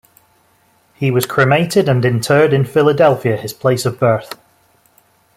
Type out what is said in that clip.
He was cremated and interred in Philadelphia, his place of birth.